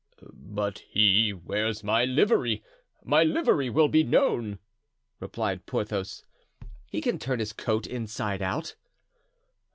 "But he wears my livery; my livery will be known," replied Porthos. "He can turn his coat inside out."